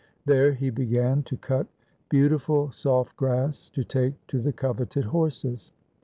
There he began to cut beautiful soft grass to take to the coveted horses.